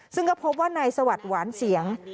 ซึ่งก็พบว่าในสวรรค์หวานเสียง